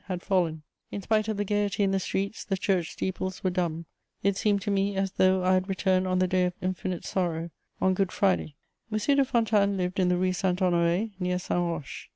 had fallen. In spite of the gaiety in the streets the church steeples were dumb; it seemed to me as though I had returned on the day of infinite sorrow, on Good Friday. M. de Fontanes lived in the Rue Saint Honoré, near Saint Roch.